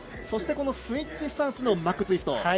そして、スイッチスタンスのマックツイスト。